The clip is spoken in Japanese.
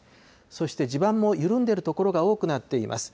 そして地盤も緩んでいる所が多くなっています。